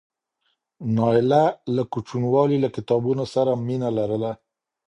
نایله له کوچنیوالي له کتابونو سره مینه لرله.